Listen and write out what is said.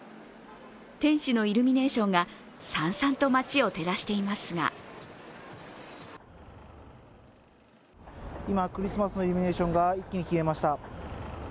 天使のイルミネーションがさんさんと街を照らしていますが今、クリスマスのイルミネーションが一気に消えました。